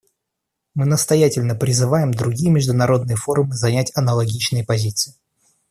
Мы настоятельно призываем другие международные форумы занять аналогичные позиции.